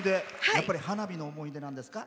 やっぱり花火の思い出なんですか。